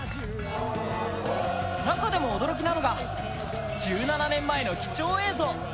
中でも驚きなのが１７年前の貴重映像。